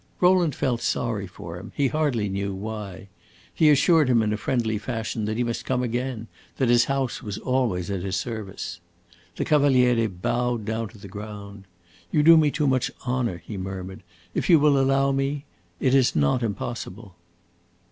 Rowland felt sorry for him; he hardly knew why. He assured him in a friendly fashion that he must come again; that his house was always at his service. The Cavaliere bowed down to the ground. "You do me too much honor," he murmured. "If you will allow me it is not impossible!"